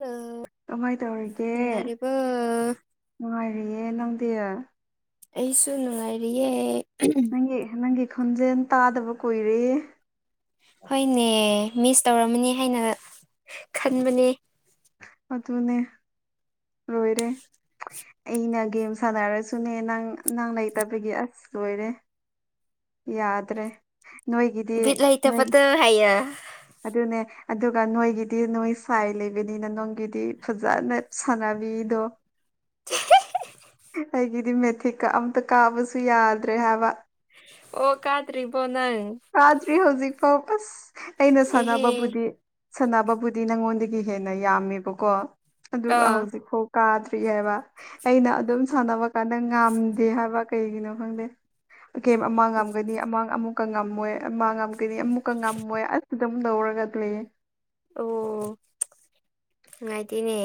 Hello ꯀꯃꯥꯏ ꯇꯧꯔꯤꯒꯦ ꯅꯨꯡꯉꯥꯏꯔꯤꯕꯣ ꯅꯨꯡꯉꯥꯏꯔꯤꯌꯦ ꯅꯪꯗꯤ ꯑꯩꯁꯨ ꯅꯨꯡꯉꯥꯏꯔꯤꯌꯦ ꯒꯤ ꯅꯪꯒꯤ ꯈꯣꯟꯖꯦꯜ ꯇꯥꯗꯕ ꯀꯨꯏꯔꯦ ꯍꯣꯏꯅꯦ ꯃꯤꯁ ꯇꯧꯔꯝꯃꯅꯤ ꯍꯥꯏꯅ ꯈꯟꯕꯅꯦ ꯑꯗꯨꯅꯦ ꯂꯣꯏꯔꯦ ꯑꯩꯅ ꯒꯦꯝ ꯁꯥꯟꯅꯔꯁꯨꯅꯦ ꯅꯪ ꯅꯪ ꯂꯩꯇꯕꯒꯤ ꯑꯁ ꯂꯣꯏꯔꯦ ꯌꯥꯗ꯭ꯔꯦ ꯅꯣꯏꯒꯤꯗꯤ ꯕꯤꯠ ꯅꯣꯏ ꯂꯩꯇꯕꯗꯣ ꯍꯥꯏꯌꯣ ꯑꯗꯨꯅꯦ ꯑꯗꯨꯒ ꯅꯣꯏꯒꯤꯗꯤ ꯅꯣꯏ ꯁꯥꯏ ꯂꯩꯕꯅꯤꯅ ꯅꯪꯒꯤꯗꯤ ꯐꯖꯅ ꯁꯥꯟꯅꯕꯤꯗꯣ ꯑꯩꯒꯤꯗꯤ ꯃꯦꯊꯤꯛꯀ ꯑꯝꯇ ꯀꯥꯕꯁꯨ ꯌꯥꯗ꯭ꯔꯦ ꯍꯥꯏꯕ ꯑꯣ ꯀꯥꯗ꯭ꯔꯤꯕꯣ ꯅꯪ ꯀꯥꯗ꯭ꯔꯤ ꯍꯧꯖꯤꯛꯐꯥꯎ ꯑꯁ ꯑꯩꯅ ꯑꯦꯍꯦ ꯁꯥꯟꯅꯕꯕꯨꯗꯤ ꯁꯥꯟꯅꯕꯕꯨꯗꯤ ꯅꯪꯉꯣꯟꯗꯒꯤ ꯍꯦꯟꯅ ꯌꯥꯝꯃꯦꯕꯀꯣ ꯑꯗꯨꯒ ꯑꯥ ꯍꯧꯖꯤꯛ ꯐꯧ ꯀꯥꯗ꯭ꯔꯤ ꯍꯥꯏꯕ ꯑꯩꯅ ꯑꯗꯨꯝ ꯁꯥꯟꯅꯕ ꯀꯥꯟꯗ ꯉꯥꯝꯗꯦ ꯍꯥꯏꯕ ꯀꯩꯒꯤꯅꯣ ꯈꯪꯗꯦ ꯒꯦꯝ ꯑꯃ ꯉꯝꯒ꯭ꯔꯗꯤ ꯑꯃꯥꯡ ꯑꯃꯨꯛꯀ ꯉꯝ ꯃꯣꯏ ꯑꯃ ꯉꯝꯒꯅꯤ ꯑꯃꯨꯛꯀ ꯉꯝꯃꯣꯏ ꯑꯁ ꯗꯨꯝ ꯇꯧꯔꯒꯗ ꯂꯩꯌꯦ ꯑꯣ ꯅꯨꯡꯉꯥꯏꯇꯦꯅꯦ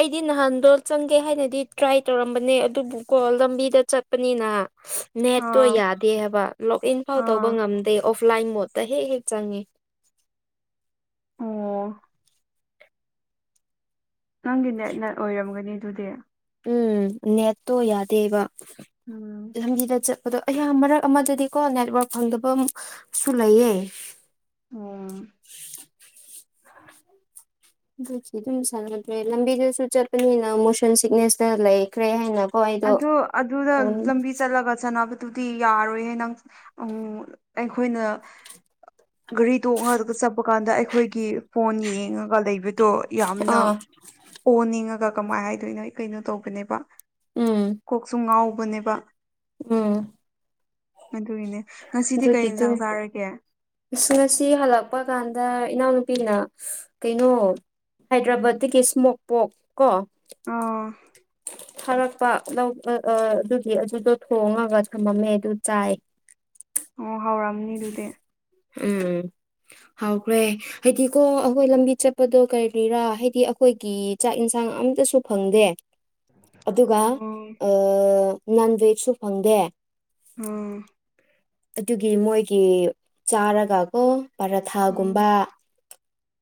ꯑꯩꯗꯤ ꯅꯍꯥꯟꯗꯣ ꯆꯪꯒꯦ ꯍꯥꯏꯅ ꯗꯤ ꯇ꯭ꯔꯥꯏ ꯇꯧꯔꯝꯕꯅꯦ ꯑꯗꯨꯕꯨꯀꯣ ꯂꯝꯕꯤꯗ ꯆꯠꯄꯅꯤꯅꯥ ꯅꯦꯠꯇꯣ ꯑꯥ ꯌꯥꯗꯦ ꯍꯥꯏꯕ ꯂꯣꯛ ꯏꯟꯐꯥꯎ ꯇꯧꯕ ꯑꯥ ꯉꯝꯗꯦ ꯑꯣꯐꯂꯥꯏꯟ ꯃꯣꯠꯇ ꯍꯦꯛ ꯍꯦꯛ ꯆꯪꯉꯤ ꯑꯣ ꯅꯪꯒꯤ ꯅꯦꯠꯅ ꯑꯣꯏꯔꯝꯒꯅꯤ ꯑꯗꯨꯗꯤ ꯎꯝ ꯅꯦꯠꯇꯣ ꯌꯥꯗꯦꯕ ꯎꯝ ꯂꯝꯕꯤꯗ ꯆꯠꯄꯗꯣ ꯑꯌꯥ ꯃꯔꯛ ꯑꯃꯗꯗꯤꯀꯣ ꯅꯦꯠꯋꯔꯛ ꯐꯪꯗꯕ ꯁꯨ ꯂꯩꯌꯦ ꯑꯣꯝ ꯑꯗꯨꯒꯤ ꯑꯗꯨꯝ ꯁꯥꯟꯅꯗ꯭ꯔꯦ ꯂꯝꯕꯤꯗꯁꯨ ꯆꯠꯄꯅꯤꯅ ꯃꯣꯁꯟ ꯁꯤꯛꯅꯦꯁꯇ ꯂꯩ ꯀ꯭ꯔꯦ ꯍꯥꯏꯅꯀꯣ ꯑꯩ ꯑꯗꯨ ꯑꯗꯨꯔ ꯂꯝꯕꯤ ꯆꯠꯂꯒ ꯆꯥꯅꯕ ꯗꯨꯗꯤ ꯌꯥꯔꯣꯏꯍꯦ ꯅꯪ ꯎꯝ ꯑꯩꯈꯣꯏꯅ ꯒꯔꯤ ꯇꯣꯡꯉ ꯆꯠꯄ ꯀꯥꯟꯗ ꯑꯩꯈꯣꯏꯒꯤ ꯐꯣꯟ ꯌꯦꯡꯉꯒ ꯂꯩꯕ ꯗꯣ ꯌꯥꯝꯅ ꯑꯥ ꯑꯣꯅꯤꯡꯉꯒ ꯀꯃꯥꯏ ꯍꯥꯏꯗꯣꯏꯅꯣ ꯑꯩ ꯀꯩꯅꯣ ꯇꯧꯕꯅꯦꯕ ꯎꯝ ꯀꯣꯛꯁꯨ ꯉꯥꯎꯕꯅꯦꯕ ꯎꯝ ꯑꯗꯨꯏꯅꯦ ꯉꯁꯤꯗꯤ ꯀꯩ ꯑꯗꯨꯒꯤꯗꯨ ꯏꯟꯁꯥꯡ ꯆꯥꯔꯒꯦ ꯑꯁ ꯉꯁꯤ ꯍꯜꯂꯛꯄ ꯀꯥꯟꯗ ꯏꯅꯥꯎꯅꯨꯄꯤꯅ ꯀꯩꯅꯣ ꯍꯥꯏꯗ꯭ꯔꯕꯥꯠꯗꯒꯤ ꯏꯁꯃꯣꯛ ꯄꯣꯛ ꯀꯣ ꯎꯝ ꯊꯥꯔꯛꯄ ꯂꯧ ꯑꯥ ꯑꯥ ꯑꯗꯨꯒꯤ ꯑꯗꯨꯗꯣ ꯊꯣꯡꯉꯒ ꯊꯅꯝꯃꯦ ꯑꯗꯨ ꯆꯥꯏ ꯑꯣ ꯍꯥꯎꯔꯝꯅꯤ ꯑꯗꯨꯗꯤ ꯎꯝ ꯍꯥꯎꯈ꯭ꯔꯦ ꯍꯥꯏꯗꯤꯀꯣ ꯑꯈꯣꯏ ꯂꯝꯕꯤ ꯆꯠꯄꯗꯣ ꯀꯔꯤ ꯀꯔꯤꯔꯥ ꯍꯥꯏꯗꯤ ꯑꯈꯣꯏꯒꯤ ꯆꯥꯛ ꯏꯟꯁꯥꯡ ꯑꯝꯇꯁꯨ ꯐꯪꯗꯦ ꯑꯗꯨꯒ ꯎꯝ ꯑꯥ ꯅꯟꯚꯦꯖꯁꯨ ꯐꯪꯗꯦ ꯎꯝ ꯑꯗꯨꯒꯤ ꯃꯣꯏꯒꯤ ꯆꯥꯔꯒ ꯀꯣ ꯎꯝ ꯄꯔꯊꯥꯒꯨꯝꯕ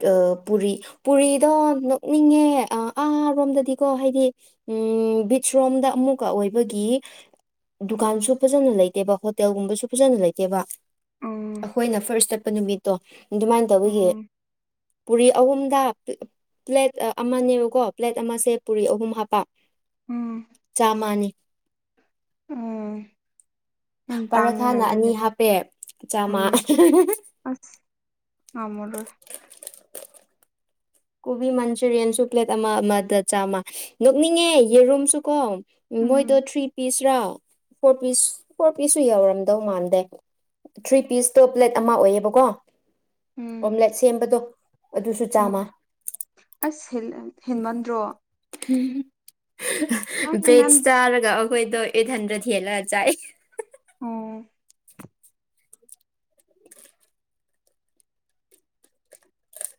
ꯑꯥ ꯄꯨꯔꯤ ꯄꯨꯔꯤꯗꯣ ꯅꯣꯛꯅꯤꯡꯉꯦ ꯑꯥ ꯑꯥꯔꯣꯝꯗꯗꯤꯀꯣ ꯍꯥꯏꯗꯤ ꯎꯝ ꯕꯤꯠꯁꯔꯣꯝꯗ ꯑꯃꯨꯛꯀ ꯑꯣꯏꯕꯒꯤ ꯗꯨꯀꯥꯟꯁꯨ ꯐꯖꯅ ꯂꯩꯇꯦꯕ ꯍꯣꯇꯦꯜꯒꯨꯝꯕꯁꯨ__ ꯐꯖꯅ ꯂꯩꯇꯦꯕ ꯎꯝ ꯑꯈꯣꯏꯅ ꯐ꯭ꯥꯔꯁ ꯆꯠꯄ ꯅꯨꯃꯤꯠ ꯇꯣ ꯑꯗꯨꯃꯥꯏꯟ ꯇꯧꯕꯒꯤ ꯎꯝ ꯄꯨꯔꯤ ꯑꯍꯨꯝꯗ ꯄ꯭ꯂꯦ ꯄ꯭ꯂꯦꯠ ꯑꯥ ꯑꯃꯅꯦꯕꯀꯣ ꯄ꯭ꯂꯦꯠ ꯑꯃꯁꯦ ꯄꯨꯔꯤ ꯑꯍꯨꯝ ꯍꯥꯞꯄ ꯎꯝ ꯆꯥꯃꯥꯅꯤ ꯎꯝ ꯌꯥꯝ ꯇꯥꯡꯉꯦꯅ ꯄꯔꯊꯥꯅ ꯑꯗꯨꯗꯤ ꯑꯅꯤ ꯍꯥꯞꯄꯦ ꯆꯥꯃ ꯉꯝꯃꯔꯣꯢ ꯀꯣꯕꯤ ꯃꯟꯆꯨꯔꯤꯌꯥꯟꯁꯨ ꯄ꯭ꯂꯦꯠ ꯑꯃ ꯑꯃꯗ ꯆꯥꯝꯃ ꯅꯣꯛꯅꯤꯡꯉꯦ ꯌꯦꯔꯨꯝꯁꯨ ꯀꯣ ꯎꯝ ꯃꯣꯏꯗꯣ ꯎꯝ ꯊ꯭ꯔꯤ ꯄꯤꯁꯔꯥ ꯐꯣꯔ ꯄꯤꯁ ꯐꯣꯔ ꯄꯤꯁꯁꯨ ꯌꯧꯔꯝꯗꯧ ꯃꯥꯟꯗꯦ ꯊ꯭ꯔꯤ ꯄꯤꯁꯇꯣ ꯄ꯭ꯂꯦꯠ ꯑꯃ ꯑꯣꯏꯌꯦꯕꯀꯣ ꯎꯝ ꯑꯣꯝꯂꯦꯠ ꯁꯦꯝꯕꯗꯣ ꯑꯗꯨꯁꯨ ꯎꯝ ꯆꯥꯃ ꯑꯁ ꯍꯦꯜ ꯑꯥ ꯍꯦꯟꯃꯟꯗ꯭ꯔꯣ ꯅꯣꯏ ꯍꯦꯟꯃꯟ ꯕꯦꯠꯆ ꯆꯥꯔꯒ ꯑꯈꯣꯏꯗꯣ ꯑꯩꯠ ꯍꯟꯗ꯭ꯔꯦꯗ ꯍꯦꯜꯂꯒ ꯆꯥꯏ ꯑꯣ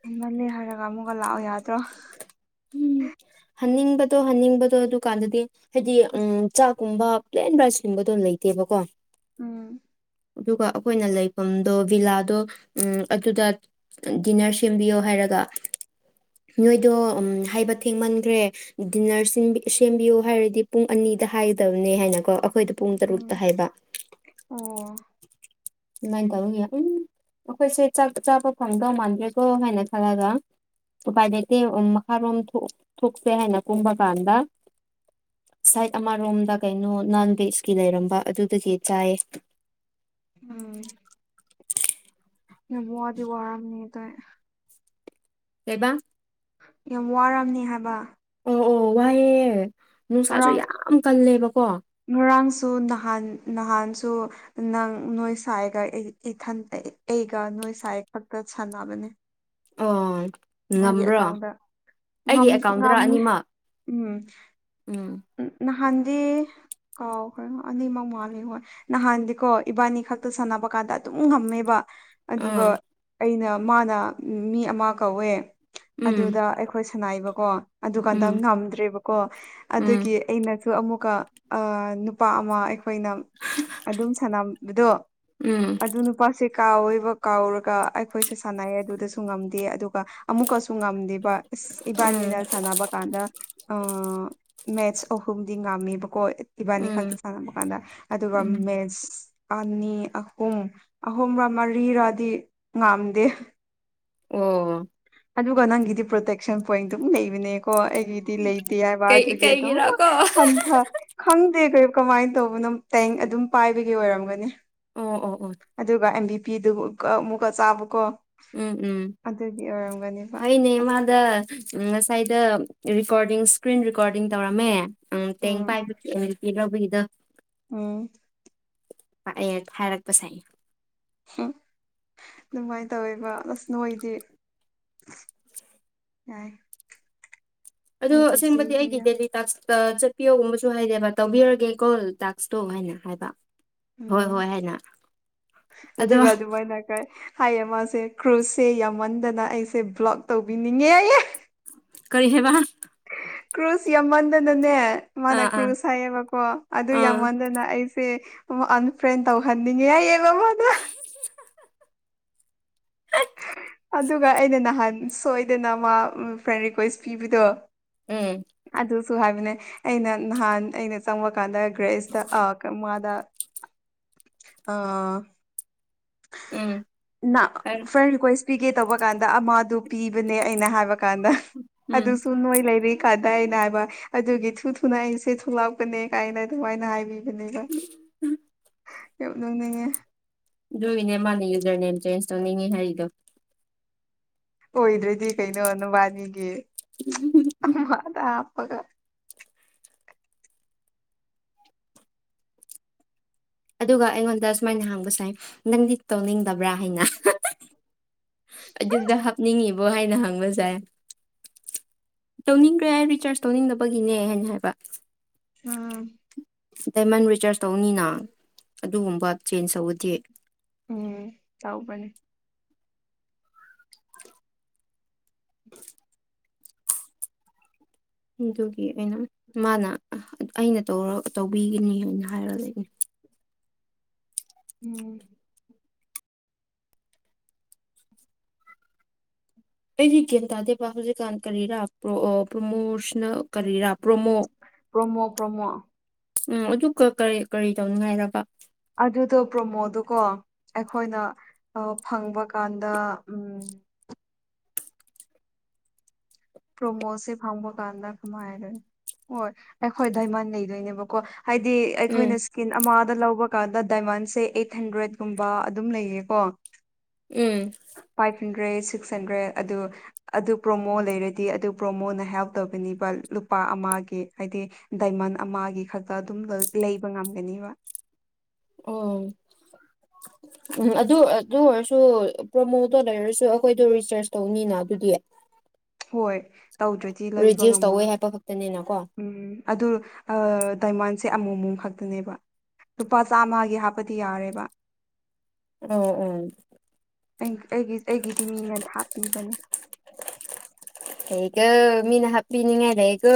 ꯍꯦꯟꯃꯜꯂꯦ ꯍꯥꯏꯔꯒ ꯑꯃꯨꯛꯀ ꯂꯥꯛꯑꯣ ꯌꯥꯗ꯭ꯔꯣ ꯍꯟꯅꯤꯡꯕꯗꯣ ꯍꯟꯅꯤꯡꯕꯗꯣ ꯑꯗꯨ ꯀꯥꯟꯗꯗꯤ ꯍꯥꯏꯗꯤ ꯑꯁ ꯎꯝ ꯆꯥꯛꯀꯨꯝꯕ ꯄ꯭ꯂꯦꯟ ꯔꯥꯏꯁꯀꯨꯝꯕꯗꯣ ꯂꯩꯇꯦꯕꯀꯣ ꯎꯝ ꯑꯗꯨꯒ ꯑꯈꯣꯏꯅ ꯂꯩꯐꯝꯗꯣ ꯚꯤꯂꯥꯗꯣ ꯎꯝ ꯑꯗꯨꯗꯥꯠ ꯑꯟ ꯗꯤꯟꯅꯔ ꯁꯦꯝꯕꯤꯌꯣ ꯍꯥꯏꯔꯒ ꯅꯣꯏꯗꯣ ꯑꯝ ꯍꯥꯏꯕ ꯊꯦꯡꯃꯟꯈ꯭ꯔꯦ__ ꯗꯤꯟꯅꯔ ꯁꯤꯟꯕꯤ ꯁꯦꯝꯕꯤꯌꯨ ꯍꯥꯏꯔꯗꯤ ꯄꯨꯡ ꯑꯅꯤꯗ ꯍꯥꯏꯗꯕꯅꯦ ꯍꯥꯏꯅꯀꯣ ꯑꯈ__ ꯈꯣꯏꯗ ꯄꯨꯡ ꯇꯔꯨꯛꯇ ꯎꯝ ꯍꯥꯏꯕ ꯑꯣ ꯑꯗꯨꯨꯃꯥꯏꯟ ꯇꯧꯋꯤꯌꯦ ꯎꯝ ꯑꯈꯣꯏꯁꯦ ꯆꯥꯛ ꯆꯥꯕ ꯐꯪꯗꯧ ꯃꯥꯟꯗ꯭ꯔꯦꯀꯣ ꯍꯥꯏꯅ ꯈꯜꯂꯒ ꯎꯄꯥꯏ ꯂꯩꯩꯇꯦ ꯎꯝ ꯃꯈꯥꯔꯣꯝ ꯊꯣꯛ ꯊꯣꯛꯁꯦ ꯍꯥꯏꯅ ꯀꯨꯝꯕ ꯀꯥꯟꯗꯥ ꯁꯥꯏꯠ ꯑꯃꯔꯣꯝꯗ ꯀꯩꯅꯣ ꯅꯟ ꯚꯦꯖꯀꯤ ꯂꯩꯔꯝꯕ ꯑꯗꯨꯗꯒꯤ ꯆꯥꯏꯌꯦ ꯎꯝ ꯌꯥꯝ ꯋꯥꯗꯤ ꯋꯥꯔꯝꯅꯤ ꯑꯗꯣꯢ ꯀꯩꯕ ꯌꯥꯝ ꯋꯥꯔꯝꯅꯤ ꯍꯥꯏꯕ ꯑꯣ ꯑꯣ ꯋꯥꯏꯌꯦ ꯅꯨꯡꯁꯥꯁꯨ ꯌꯥꯝ ꯀꯜꯂꯦꯕꯀꯣ ꯅꯨꯔꯥꯡꯁꯨ ꯅꯍꯥꯟ ꯅꯍꯥꯟꯁꯨ ꯅꯪ ꯅꯣꯏ ꯁꯥꯏꯒ ꯑꯩ ꯏꯊꯟ ꯑꯩ ꯑꯩꯒ ꯅꯣꯏ ꯁꯥꯏꯒ ꯈꯛꯇ ꯁꯥꯟꯅꯕꯅꯦ ꯑꯣ ꯅꯪꯒꯤ ꯉꯝꯕ꯭ꯔꯣ ꯑꯦꯀꯥꯎꯟꯗ ꯑꯩꯒꯤ ꯑꯦꯀꯥꯎꯟꯗꯔ ꯉꯝꯃꯦ ꯑꯅꯤꯃꯛ ꯎꯝ ꯎꯝ ꯅꯍꯥꯟꯗꯤ ꯀꯥꯎꯈ꯭ꯔꯦꯉꯣ ꯑꯅꯤꯃꯛ ꯃꯥꯂꯤ ꯍꯣꯏ ꯅꯍꯥꯟꯗꯤꯀꯣ ꯏꯕꯥꯅꯤ ꯈꯛꯇ ꯁꯥꯟꯅꯕ ꯀꯥꯟꯗ ꯑꯗꯨꯝ ꯉꯝꯃꯦꯕ ꯑꯗꯨꯒ ꯎꯝ ꯑꯩꯅ ꯃꯥꯅ ꯃꯤ ꯑꯃ ꯀꯧꯋꯦ ꯎꯝ ꯑꯗꯨꯗ ꯑꯩꯈꯣꯏ ꯁꯥꯅꯩꯕꯀꯣ ꯑꯗꯨꯀꯥꯟꯗ ꯎꯝ ꯉꯝꯗ꯭ꯔꯦꯕꯀꯣ ꯎꯝ ꯑꯗꯨꯒꯤ ꯑꯩꯅꯁꯨ ꯑꯃꯨꯛꯀ ꯑꯥ ꯅꯨꯄꯥ ꯑꯃ ꯑꯩꯈꯣꯏ__ ꯈꯣꯏꯅꯝ ꯑꯗꯨꯝ ꯁꯥꯟꯅꯕꯗꯣ ꯎꯝ ꯑꯗꯨ ꯅꯨꯞ__ ꯄꯥꯁꯤ ꯀꯥꯎꯋꯦꯕ ꯀꯥꯎꯔꯒ ꯑꯩꯈꯣꯏꯁꯦ ꯁꯥꯟꯅꯩꯌꯦ ꯑꯗꯨꯗꯁꯨ ꯉꯝꯗꯦ ꯑꯗꯨꯒ ꯑꯃꯨꯛꯀꯁꯨ ꯉꯝꯗꯦꯕ ꯏꯁ ꯎꯝ ꯏꯕꯥꯅꯤꯅ ꯁꯥꯟꯅꯕ ꯀꯥꯟꯗ ꯑꯥ ꯃꯦꯠꯁ ꯑꯍꯨꯝꯗꯤ ꯉꯥꯝꯃꯦꯕꯀꯣ ꯏ ꯏꯕꯥꯅꯤ ꯎꯝ ꯈꯛꯇ ꯁꯥꯟꯅꯕ ꯀꯥꯟꯗ ꯑꯗꯨꯒ ꯎꯝ ꯃꯦꯠꯁ ꯑꯅꯤ ꯑꯍꯨꯝ ꯑꯍꯨꯝꯔꯥ ꯃꯔꯤꯔꯥꯗꯤ ꯉꯝꯗꯦ ꯑꯣ ꯑꯗꯨꯒ ꯅꯪꯒꯤꯗꯤ ꯄ꯭ꯔꯣꯇꯦꯛꯁꯟ ꯄꯣꯏꯟ ꯑꯗꯨꯝ ꯂꯩꯕꯅꯦꯀꯣ ꯑꯩꯒꯤ ꯇꯤ ꯂꯩꯇꯦ ꯍꯥꯢꯕ ꯀꯩ ꯑꯗꯨꯒꯤ ꯑꯗꯨꯝ ꯀꯩꯒꯤꯔꯀꯣ ꯍꯟꯊꯥ ꯈꯪꯗꯦ ꯀꯔꯤ ꯀꯃꯥꯏꯟ ꯇꯧꯕꯅꯣ ꯇꯦꯡ ꯑꯗꯨꯝ ꯄꯥꯏꯕꯒꯤ ꯑꯣꯏꯔꯝꯒꯅꯤ ꯑꯣ ꯑꯣ ꯑꯣ ꯑꯗꯨꯒ ꯑꯦꯝꯕꯤ ꯄꯤꯗꯨꯒ ꯑꯃꯨꯛꯀ ꯆꯥꯕꯀꯣ ꯎꯝ ꯎꯝ ꯑꯗꯨꯒꯤ ꯑꯣꯏꯔꯝꯒꯅꯦꯕ ꯍꯩꯅꯦ ꯑꯁ ꯃꯥꯟ ꯗꯥ ꯉꯁꯥꯏꯗ ꯔꯦꯀꯣꯔꯗꯤꯡ ꯏꯁꯀ꯭ꯔꯤꯟ ꯔꯦꯀꯣꯔꯗꯤꯡ ꯇꯧꯔꯝꯃꯦ ꯇꯦꯡ ꯎꯝ ꯄꯥꯏ [unintelligible] ꯂꯧꯕꯒꯤꯗꯣ ꯎꯝ [unintelligible] ꯐꯥꯏꯔꯛꯄꯁꯦ ꯍꯝ ꯑꯗꯨꯃꯥꯏꯟ ꯇꯧꯋꯦꯕ ꯑꯁ ꯅꯣꯏꯗꯤ ꯌꯥꯏ ꯑꯗꯨ ꯑꯩꯒꯤꯁꯤ ꯑꯁꯦꯡꯕꯗꯤ ꯑꯩꯒꯤ ꯗꯦꯜꯂꯤ ꯇꯥꯛꯁ ꯗꯥ ꯆꯠꯄꯤꯌꯣꯒꯨꯝꯕꯁꯨ ꯍꯥꯏꯗꯦꯕ ꯇꯧꯕꯤꯔꯒꯦ ꯀꯣꯜ ꯇꯥꯛꯁꯇꯨ ꯍꯥꯏꯅ ꯍꯥꯏꯕ ꯍꯣꯏ ꯎꯝ ꯍꯣꯏ ꯍꯥꯏꯅ ꯑꯗꯣ ꯑꯗꯨꯒ ꯑꯗꯨꯃꯥꯏꯅ ꯀꯩ ꯍꯥꯏꯌꯦ ꯃꯥꯁꯦ ꯀ꯭ꯔꯨꯁꯁꯦ ꯌꯥꯝꯃꯟꯗꯅ ꯑꯩꯁꯦ ꯕ꯭ꯂꯣꯛ ꯇꯧꯕꯤꯅꯤꯡꯉꯦ ꯍꯥꯏꯌꯦ ꯀꯔꯤ ꯍꯥꯏꯕ ꯀ꯭ꯔꯨꯁ ꯌꯥꯝꯃꯟꯗꯅꯅꯦ ꯃꯥꯅ ꯑꯥ ꯑꯥ ꯑꯥ ꯀ꯭ꯔꯨꯁ ꯍꯥꯏꯌꯦꯕꯀꯣ ꯑꯗꯨ ꯌꯥꯝꯃꯟꯗꯅ ꯑꯩꯁꯦ ꯑꯃ ꯑꯟꯐ꯭ꯔꯦꯟ ꯇꯧꯍꯟꯅꯤꯡꯉꯦ ꯍꯥꯢꯌꯦ [inaudible] ꯑꯗꯨꯒ ꯑꯩꯅ ꯅꯍꯥꯟ ꯁꯣꯏꯗꯅ ꯃꯥ ꯐ꯭ꯔꯦꯟ ꯔꯤꯀ꯭ꯋꯦꯁ ꯄꯤꯕꯗꯣ ꯎꯝ ꯑꯗꯨꯁꯨ ꯍꯥꯏꯕꯅꯦ ꯑꯩꯅ ꯅꯍꯥꯟ ꯑꯩꯅ ꯆꯪꯕꯀꯥꯟꯗ ꯒ꯭ꯔꯦꯁꯇ ꯑꯥ ꯃꯥꯗ ꯑꯥ ꯎꯝ ꯅꯥ ꯍꯥꯏꯔꯣ ꯐ꯭ꯔꯦꯟ ꯔꯤꯀ꯭ꯋꯦꯁ ꯄꯤꯒꯦ ꯇꯧꯕ ꯀꯥꯟꯗ ꯑꯃꯗꯨ ꯄꯤꯕꯅꯦ ꯑꯩꯅ ꯍꯥꯏꯕ ꯀꯥꯟꯗ ꯎꯝ ꯑꯗꯨꯁꯨ ꯅꯣꯏ ꯂꯩꯕꯩ ꯀꯥꯗꯥ ꯑꯩꯅꯥ ꯍꯥꯏꯕ ꯑꯗꯨꯒꯤ ꯊꯨ ꯊꯨ ꯅꯥ ꯑꯩꯁꯦ ꯊꯣꯛꯂꯛꯄꯅꯦ ꯀꯥꯏꯅ ꯑꯗꯨꯃꯥꯏꯅ ꯍꯥꯏꯕꯤ ꯑꯗꯨꯅꯦꯀꯣ ꯌꯥꯝ ꯅꯣꯛꯅꯤꯡꯉꯦ ꯨꯑꯗꯨꯒꯤꯅꯦ ꯃꯥꯅ ꯌꯨꯖꯔ ꯅꯦꯝ ꯆꯦꯟꯖ ꯇꯧꯅꯤꯡꯉꯦ ꯍꯥꯏꯔꯤꯗꯣ ꯑꯣꯏꯗ꯭ꯔꯗꯤ ꯀꯩꯅꯣ ꯅꯕꯥꯅꯤꯒꯤ ꯑꯃꯗ ꯍꯥꯞꯄꯒ ꯑꯗꯨꯒ ꯑꯩꯉꯣꯟꯗ ꯁꯨꯃꯥꯏꯅ ꯍꯪꯕꯁꯥꯏ ꯅꯪꯗꯤ ꯇꯧꯅꯤꯡꯗꯕ꯭ꯔꯥ ꯍꯥꯏꯅ ꯑꯗꯨꯗ ꯍꯥꯞꯅꯤꯡꯉꯤꯕꯣ ꯍꯥꯏꯅ ꯍꯪꯕ ꯖꯥꯢ ꯇꯧꯅꯤꯡꯈ꯭ꯔꯦ ꯍꯥꯏ ꯔꯤꯆꯥꯔꯖ ꯇꯧꯅꯤꯡꯗꯕꯒꯤꯅꯦ ꯍꯥꯏꯅ ꯍꯥꯏꯕ ꯑꯥ ꯗꯥꯏꯃꯟ ꯔꯤꯆꯥꯔꯖ ꯇꯧꯅꯤꯅ ꯑꯗꯨꯒꯨꯝꯕ ꯆꯦꯟꯖ ꯇꯧꯕꯗꯤ ꯎꯝ ꯇꯧꯕꯅꯤ [inaudible] ꯑꯗꯨꯒꯤ ꯑꯩꯅ ꯃꯥꯅ ꯑꯩꯅ ꯇꯧꯔ ꯇꯧꯕꯤꯒꯅꯤ ꯍꯥꯏꯅ ꯍꯥꯏꯔ ꯂꯩꯕ [unintelligible] ꯎꯝ ꯑꯩꯗꯤ ꯒ꯭ꯌꯥꯟ ꯇꯥꯗꯦꯕ ꯍꯧꯖꯤꯛꯀꯥꯟ ꯀꯔꯤꯔꯥ ꯄ꯭ꯔꯣ ꯄ꯭ꯔꯣꯃꯣꯁꯅꯦꯜ ꯀꯔꯤꯔꯥ ꯄ꯭ꯔꯣꯃꯣ ꯄ꯭ꯔꯣꯃꯣ ꯄ꯭ꯔꯣꯃꯣ ꯎꯝ ꯑꯗꯨꯀꯥ ꯀꯔꯤ ꯀꯔꯤ ꯇꯧꯅꯤꯉꯥꯏꯔꯕ ꯑꯗꯨꯗꯣ ꯄ꯭ꯔꯣꯃꯣꯗꯨꯀꯣ ꯑꯩꯈꯣꯏꯅ ꯑꯥ ꯐꯪꯕ ꯀꯥꯟꯗ ꯎꯝ ꯄ꯭ꯔꯣꯃꯣꯁꯦ ꯐꯪꯕ ꯀꯥꯟꯗ ꯀꯃꯥꯏ ꯍꯥꯢꯗꯣꯢꯅꯣ ꯍꯣꯏ ꯑꯩꯈꯣꯏ ꯗꯥꯏꯃꯟ ꯂꯩꯗꯣꯏꯅꯦꯕꯀꯣ ꯍꯥꯏꯗꯤ ꯎꯝ ꯑꯩꯈꯣꯏꯅꯁꯨ ꯀꯤꯟ ꯑꯃꯥꯗ ꯂꯧꯕ ꯀꯥꯟꯗ ꯗꯥꯏꯃꯟꯁꯦ ꯑꯩꯠ ꯍꯟꯗ꯭ꯔꯦꯠꯀꯨꯝꯕ ꯑꯗꯨꯝ ꯂꯩꯌꯦꯀꯣ ꯎꯝ ꯐꯥꯏꯐ ꯍꯟꯗ꯭ꯔꯦꯠ ꯁꯤꯛꯁ ꯍꯟꯗ꯭ꯔꯦꯠ ꯑꯗꯨ ꯑꯗꯨ ꯄ꯭ꯔꯣꯃꯣ ꯂꯩꯔꯗꯤ ꯑꯗꯨ ꯄ꯭ꯔꯣꯃꯣꯅ ꯍꯦꯜꯞ ꯇꯧꯒꯅꯤꯕ ꯂꯨꯄꯥ ꯑꯃꯒꯤ ꯍꯥꯏꯗꯤ ꯗꯥꯏꯃꯟ ꯑꯃꯒꯤ ꯈꯛꯇ ꯑꯗꯨꯝ ꯂꯩꯕ ꯉꯝꯒꯅꯤꯕ ꯑꯣ ꯎꯝ ꯑꯗꯨ ꯑꯗꯨ ꯑꯣꯏꯔꯁꯨ ꯄ꯭ꯔꯣꯃꯣꯗꯣ ꯂꯩꯔꯁꯨ ꯑꯩꯈꯣꯏꯗꯣ ꯔꯤꯁꯔꯁ ꯇꯧꯅꯤꯅ ꯑꯗꯨꯗꯤ [inaudible] ꯍꯣꯏ ꯇꯧꯗ꯭ꯔꯗꯤ ꯂꯩꯕ ꯔꯤꯗ꯭ꯌꯨꯁ ꯇꯧꯋꯦ ꯉꯝꯃꯣꯏ ꯍꯥꯏꯕ ꯈꯛꯇꯅꯤꯅꯀꯣ ꯎꯝ ꯑꯗꯨ ꯑꯥ ꯗꯥꯏꯃꯟꯁꯦ ꯑꯃꯨꯛ ꯑꯃꯨꯛ ꯈꯛꯇꯅꯦꯕ ꯂꯨꯄꯥ ꯆꯥꯝꯃꯒꯤ ꯍꯥꯞꯄꯗꯤ ꯌꯥꯔꯦꯕ ꯑꯣ ꯑꯣ ꯑꯩ ꯑꯩꯒꯤ ꯑꯩꯒꯤꯗꯤ ꯃꯤꯅ ꯍꯥꯞꯄꯤꯕꯅꯦ ꯐꯩꯀꯣ ꯃꯤꯅ ꯍꯥꯞꯄꯤꯅꯤꯡꯉꯥꯏ ꯂꯩꯀꯣ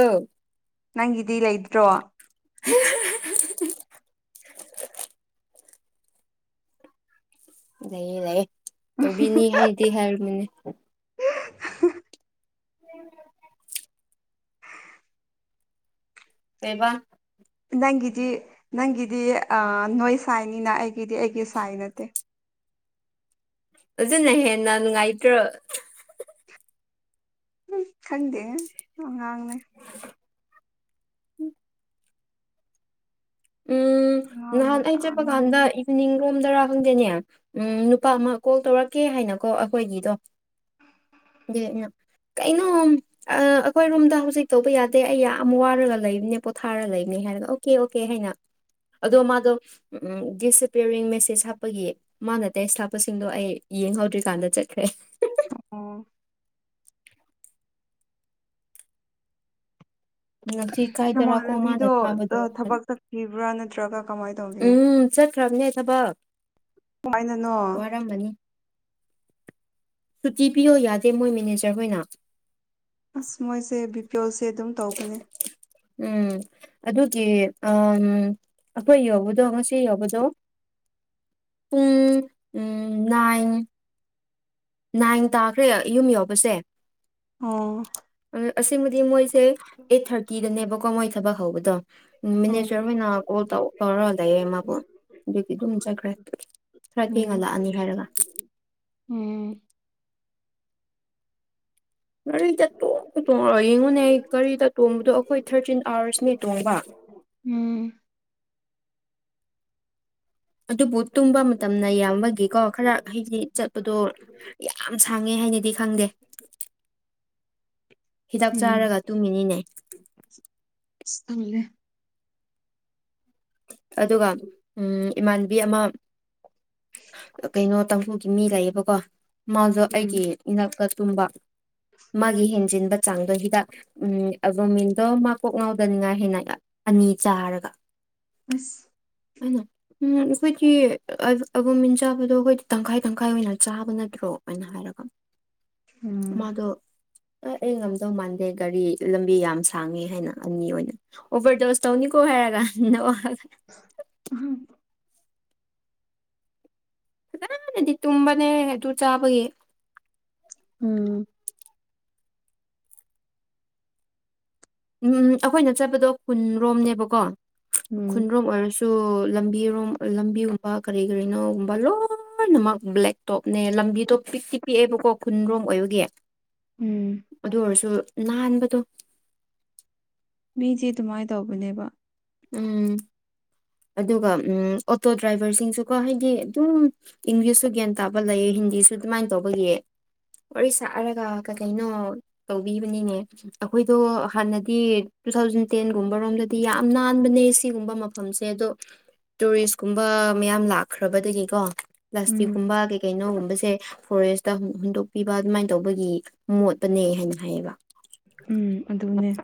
ꯅꯪꯒꯤꯗꯤ ꯂꯩꯇ꯭ꯔꯣ [inaudible] ꯂꯩꯌꯦ ꯂꯩꯌꯦ ꯇꯧꯕꯤꯅꯤ ꯍꯥꯏꯅꯗꯤ ꯍꯥꯏꯔꯝꯕꯅꯦ [inaudible] ꯀꯩꯕ ꯅꯪꯒꯤꯗꯤ ꯅꯪꯒꯤꯗꯤ ꯑꯥ ꯅꯣꯏ ꯁꯥꯏꯅꯤꯅ ꯑꯩꯒꯤꯗꯤ ꯑꯩꯒꯤ ꯁꯥꯏ ꯅꯠꯇꯦ ꯑꯗꯨꯅ ꯍꯦꯟꯅ ꯅꯨꯡꯉꯥꯏꯇ꯭ꯔꯣ ꯎꯝ ꯈꯪꯗꯦꯍꯦ ꯑꯉꯥꯡꯅꯦ ꯎꯝ ꯑꯉꯥꯡ ꯅꯍꯥꯟ ꯑꯩ ꯆꯠꯄ ꯃꯆꯥꯅꯦ ꯀꯥꯟꯗ ꯃꯅꯤꯡꯔꯣꯝꯗ꯭ꯔ ꯈꯪꯗꯦꯅꯦ ꯎꯝ ꯅꯨꯄꯥ ꯑꯃ ꯀꯣꯜ ꯇꯧꯔꯛꯀꯦ ꯍꯥꯏꯅꯀꯣ ꯑꯩꯈꯣꯏꯒꯤꯗꯣ ꯗꯦ ꯑꯩꯅ ꯀꯩꯅꯣꯝ ꯑꯥ ꯑꯩꯈꯣꯏ ꯔꯨꯝꯗ ꯍꯧꯖꯤꯛ ꯇꯧꯕ ꯌꯥꯗꯦ ꯑꯩ ꯌꯥꯝ ꯋꯥꯔꯒ ꯂꯩꯕꯅꯦ ꯄꯣꯊꯥꯔ ꯂꯩꯕꯅꯦ ꯍꯥꯏꯔꯒ ꯑꯣꯀꯦ ꯑꯣꯀꯦ ꯍꯥꯏꯅ ꯑꯗꯣ ꯃꯥꯗꯣ ꯎꯝ ꯗꯤꯁꯑꯦꯄꯤꯌꯤꯔꯤꯡ ꯃꯦꯁꯦꯁ ꯍꯥꯞꯄꯒꯤ ꯃꯥꯅ ꯇꯦꯛꯁ ꯊꯥꯕꯁꯤꯡꯗꯣ ꯑꯩ ꯌꯦꯡꯍꯧꯗ꯭ꯔꯤꯀꯥꯟꯗ ꯆꯠꯈ꯭ꯔꯦ ꯑꯩ ꯑꯣ ꯉꯁꯤ ꯀꯥꯏꯗꯔꯥꯀꯣ ꯃꯥꯅ ꯅꯃꯥꯟꯅꯕꯤꯗꯣ ꯊꯥꯕꯗꯣ ꯑꯥ ꯍꯥꯏꯔꯒ. ꯊꯕꯛ ꯆꯠꯈꯤꯕ꯭ꯔ ꯅꯠꯇ꯭ꯔꯒ ꯀꯃꯥꯏ ꯇꯧꯒꯦ ꯎꯝ ꯆꯠꯈ꯭ꯔꯕꯅꯦ ꯊꯕꯛ ꯀꯃꯥꯏꯅꯅꯣ ꯋꯥꯔꯝꯃꯅꯤ ꯁꯨꯇꯤ ꯄꯤꯌꯣ ꯌꯥꯗꯦ ꯃꯣꯏ ꯃꯦꯅꯦꯖꯔꯍꯣꯏꯅ ꯑꯁ ꯃꯣꯏꯁꯦ ꯕꯤ ꯄꯤ ꯑꯦꯜꯁꯦ ꯑꯗꯨꯝ ꯇꯧꯕꯅꯦ ꯎꯝ ꯑꯗꯨꯒꯤ ꯑꯝ ꯑꯩꯈꯣꯏ ꯌꯧꯕꯗꯣ ꯉꯁꯤ ꯌꯧꯕꯗꯣ ꯄꯨꯡ ꯎꯝ ꯅꯥꯏꯟ ꯅꯥꯏꯟ ꯇꯥꯈ꯭ꯔꯦ ꯌꯨꯝ ꯌꯧꯕꯁꯦ ꯑꯣ ꯑꯁꯦꯡꯕꯗꯤ ꯃꯣꯏꯁꯦ ꯑꯩꯠ ꯊꯔꯇꯤꯗꯅꯦꯕꯀꯣ ꯃꯣꯏ ꯊꯕꯛ ꯍꯧꯕꯗꯣ ꯎꯝ ꯃꯦꯅꯦꯖꯔ ꯍꯣꯏꯅ ꯀꯣꯜ ꯇꯧ ꯇꯧꯔꯒ ꯂꯩꯌꯦ ꯃꯥꯕꯨ ꯑꯗꯨꯒꯤ ꯗꯨꯝ ꯆꯠꯈ꯭ꯔꯦ ꯈꯔ ꯊꯦꯡꯅ ꯎꯝ ꯂꯥꯛꯑꯅꯤ ꯍꯥꯏꯔꯒ ꯎꯝ ꯒꯥꯔꯤꯗ ꯇꯣꯡ ꯇꯣꯡꯔꯒ ꯌꯦꯡꯉꯨꯅꯩ ꯒꯥꯔꯤꯗ ꯇꯣꯡꯕꯗꯣ ꯑꯩꯈꯣꯏ ꯊꯔꯇꯤꯟ ꯑꯥꯋꯔꯁꯅꯦ ꯇꯣꯡꯕ ꯎꯝ ꯑꯗꯨꯕꯨ ꯇꯨꯝꯕ ꯃꯇꯝꯅ ꯌꯥꯝꯕꯒꯤꯀꯣ ꯈꯔ ꯍꯥꯏꯗꯤ ꯆꯠꯄꯗꯣ ꯌꯥꯝ ꯁꯥꯡꯉꯦ ꯍꯥꯏꯅꯗꯤ ꯈꯪꯗꯦ ꯍꯤꯗꯥꯛ ꯆꯥꯔꯒ ꯎꯝ ꯇꯨꯝꯃꯤꯅꯤꯅꯦ ꯇꯜꯂꯦ ꯑꯗꯨꯒ ꯎꯝ ꯏꯃꯥꯟꯅꯕꯤ ꯑꯃꯥ ꯀꯩꯅꯣ ꯇꯡꯈꯨꯜꯒꯤ ꯃꯤ ꯂꯩꯌꯦꯕꯀꯣ ꯃꯥꯖꯨ ꯎꯝ ꯑꯩꯒꯤ ꯏꯅꯥꯛꯇ ꯇꯨꯝꯕ ꯃꯥꯒꯤ ꯍꯦꯟꯖꯤꯟꯕ ꯆꯥꯡꯗꯣ ꯍꯤꯗꯥꯛ ꯎꯝ ꯑꯦꯚꯣꯃꯤꯟꯗꯣ ꯃꯥ ꯀꯣꯛ ꯉꯥꯎꯗꯅꯤꯉꯥꯏ ꯍꯦꯟꯅ ꯑꯅꯤ ꯆꯥꯔꯒ ꯑꯁ ꯑꯥꯢꯅꯣ ꯎꯝ ꯑꯈꯣꯏꯗꯤ ꯑꯥꯏꯕ‌ꯣ ꯑꯦꯕꯣꯃꯤꯟ ꯆꯥꯕꯗꯣ ꯑꯈꯣꯏꯗꯤ ꯇꯪꯈꯥꯏ ꯇꯪꯈꯥꯏ ꯑꯣꯏꯅ ꯆꯥꯕ ꯅꯠꯇ꯭ꯔꯣ ꯑꯥꯏꯅ ꯍꯥꯏ ꯎꯝ ꯃꯥꯗꯣ ꯑꯦ ꯑꯩ ꯉꯝꯗꯧ ꯃꯥꯟꯗꯦ ꯒꯥꯔꯤ ꯂꯝꯕꯤ ꯌꯥꯝ ꯁꯥꯡꯉ‌ꯦ ꯍꯥꯏꯅ ꯑꯅꯤ ꯑꯣꯏꯅ ꯑꯣꯕ꯭ꯔꯗꯣꯁ ꯇꯧꯅꯤꯀꯣ ꯍꯥꯏꯔꯒ ꯅꯣꯛꯑꯒ ꯎꯝꯍꯨꯝ ꯐꯖꯅꯗꯤ ꯇꯨꯝꯕꯅꯦ ꯑꯗꯨ ꯆꯥꯕꯒꯤ ꯎꯝ ꯎꯝ ꯑꯈꯣꯏꯅ ꯆꯠꯄꯗꯣ ꯈꯨꯟꯔꯣꯝꯅꯦꯕꯀꯣ ꯎꯝ ꯈꯨꯟꯔꯣꯝ ꯑꯣꯏꯔꯁꯨ ꯇꯨ ꯂꯝꯕꯤꯔꯣꯝ ꯂꯝꯕꯤꯒꯨꯝꯕ ꯀꯔꯤ ꯀꯔꯤꯅꯣꯒꯨꯝꯕ ꯂꯣꯏꯅꯃꯛ ꯕ꯭ꯂꯦꯛ ꯇꯣꯞꯅꯦ ꯂꯝꯕꯤꯗꯣ ꯄꯤꯛꯇꯤ ꯄꯤꯛꯑꯦꯕꯀꯣ ꯈꯨꯟꯔꯣꯝ ꯑꯣꯏꯕꯒꯤ ꯎꯝ ꯑꯗꯨ ꯑꯣꯏꯔꯁꯨ ꯅꯥꯟꯕꯗ‌ꯣ ꯃꯤꯗꯤ ꯑꯗꯨꯃꯥꯏ ꯇꯧꯕꯅꯦꯕ ꯎꯝ ꯑꯗꯨꯒ ꯎꯝ ꯑꯣꯇꯣ ꯗ꯭ꯔꯥꯏꯚ꯭ꯔꯁꯤꯡꯁꯨꯀꯣ ꯍꯥꯏꯗꯤ ꯑꯗꯨꯝ ꯏꯪꯂꯤꯁꯁꯨ ꯒ꯭ꯌꯥꯟ ꯇꯥꯕ ꯂꯩꯌꯦ ꯍꯤꯟꯗꯤꯁꯨ ꯑꯗꯨꯃꯥꯏꯟ ꯇꯧꯕꯒꯤ ꯋꯥꯔꯤ ꯁꯥꯔꯒ ꯀꯩꯀꯩꯅꯣ ꯇꯧꯕꯤꯕꯅꯤꯅꯦ ꯑꯈꯣꯏꯗꯣ ꯍꯥꯟꯅꯗꯤ ꯇꯨ ꯊꯥꯎꯖꯟ ꯇꯦꯟꯒꯨꯝꯕꯔꯣꯝꯗꯗꯤ ꯌꯥꯝ ꯅꯥꯟꯕꯅꯦ ꯁꯤꯒꯨꯝꯕ ꯃꯐꯝꯁꯦ ꯑꯗꯣ ꯇꯨꯔꯤꯁ ꯀꯨꯝꯕ ꯃꯌꯥꯝ ꯂꯥꯛꯈ꯭ꯔꯕꯗꯒꯤꯀꯣ ꯎꯝ ꯄ꯭ꯂꯥꯁꯇꯤꯛꯀꯨꯝꯕ ꯀꯩ ꯀꯩꯅꯣꯒꯨꯝꯕꯁꯦ ꯐꯣꯔꯦꯁꯇ ꯍꯨꯟꯗꯣꯛꯄꯤꯕ ꯑꯗꯨꯃꯥꯏꯟ ꯇꯧꯕꯒꯤ ꯃꯣꯠꯄꯅꯦ ꯍꯥꯏꯅ ꯍꯥꯏꯌꯦꯕ ꯎꯝ ꯑꯗꯨꯅꯦ